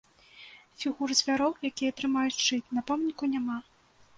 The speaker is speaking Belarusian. Фігур звяроў, якія трымаюць шчыт, на помніку няма.